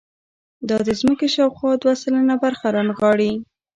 دا د ځمکې شاوخوا دوه سلنه برخه رانغاړي.